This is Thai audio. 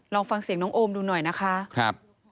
ลองฟังเสียงน้องโอมดูหน่อยนะคะครับ